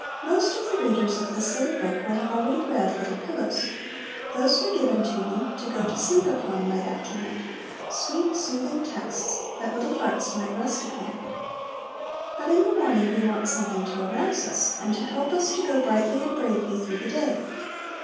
Most of the readers of this little book will have already read Little Pillows. Those were given you to go to sleep upon night after night; sweet, soothing texts, that little hearts might rest upon. But in the morning we want something to arouse us, and to help us to go brightly and bravely through the day.